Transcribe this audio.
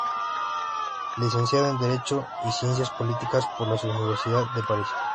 Licenciado en Derecho y Ciencias Políticas por la Universidad de París.